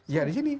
ya di sini